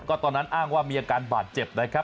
ตอนนั้นอ้างว่ามีอาการบาดเจ็บนะครับ